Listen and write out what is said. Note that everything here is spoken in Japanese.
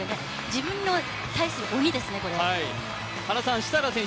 自分に対する鬼ですね、これ。